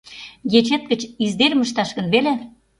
— Ечет гыч издерым ышташ гын веле?